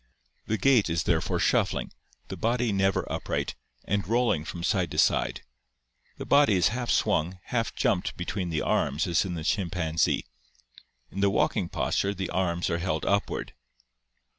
The gait is therefore shuffling, the body never up right, and rolling from side to side; the body is half swung, half jumped between the arms as in the chimpanzee. In the walking posture the arms are held upward.